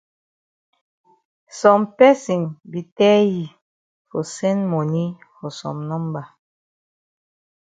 Some person be tell yi for send moni for some number.